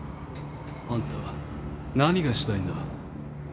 あんた何がしたいんだ？